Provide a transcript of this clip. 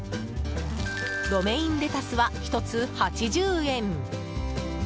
ロメインレタスは１つ８０円。